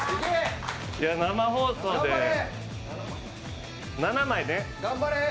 生放送で７枚ね。